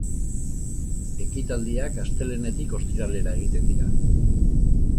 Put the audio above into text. Ekitaldiak astelehenetik ostiralera egiten dira.